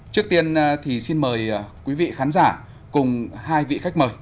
trước tiên thì xin mời quý vị khán giả cùng hai vị khách mời